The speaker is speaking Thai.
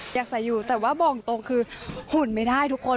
อยากใส่อยู่แต่ว่าบอกตรงคือหุ่นไม่ได้ทุกคน